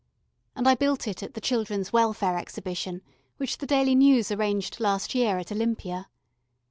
And I built it at the Children's Welfare Exhibition which the Daily News arranged last year at Olympia.